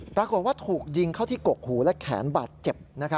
ปรากฏว่าถูกยิงเข้าที่กกหูและแขนบาดเจ็บ